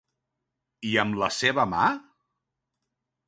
I amb la seva mà?